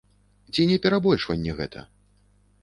Ці не перабольшванне гэта?